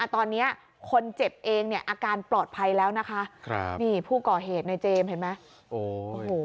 ตอนนี้คนเจ็บเองเนี่ยอาการปลอดภัยแล้วนะคะครับนี่ผู้ก่อเหตุในเจมส์เห็นไหม